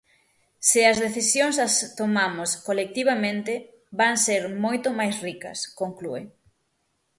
Se as decisións as tomamos colectivamente, van ser moito máis ricas, conclúe.